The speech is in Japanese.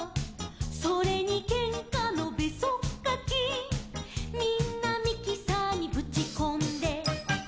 「それにけんかのべそっかき」「みんなミキサーにぶちこんで」